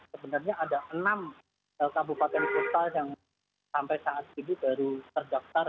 sebenarnya ada enam kabupaten kota yang sampai saat ini baru terdaftar